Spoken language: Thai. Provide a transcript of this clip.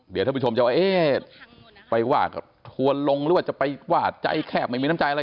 เดี๋ยวท่านผู้ชมจะว่าเอ๊ะไปว่าทัวร์ลงหรือว่าจะไปว่าใจแคบไม่มีน้ำใจอะไร